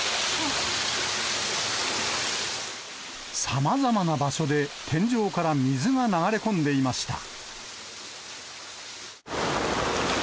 さまざまな場所で天井から水が流れ込んでいました。